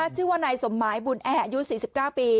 ชื่อว่านายสมหมายบุญแอยูด๔๙ปี